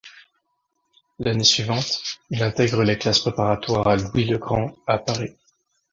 L'année suivante, il intègre les classes préparatoires à Louis-le-Grand à Paris.